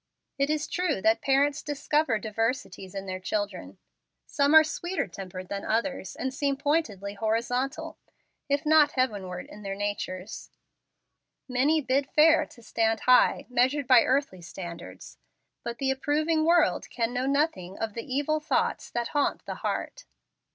It is true that parents discover diversities in their children. Some are sweeter tempered than others, and seem pointed horizontally, if not heavenward, in their natures. Many bid fair to stand high, measured by earthly standards. But the approving world can know nothing of the evil thoughts that haunt the heart.